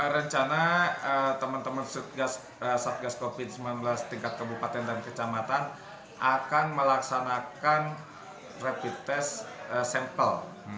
rencana teman teman satgas covid sembilan belas tingkat kabupaten dan kecamatan akan melaksanakan rapid test sampel